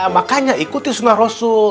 makanya ikuti sunnah rasul